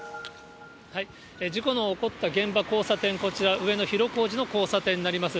事故の起こった現場交差点、こちら、上野広小路の交差点になります。